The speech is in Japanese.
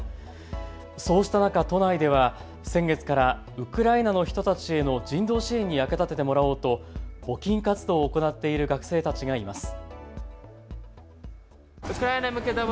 そうした中、都内では先月からウクライナの人たちへの人道支援に役立ててもらおうと募金活動を行っている学生たちがいます。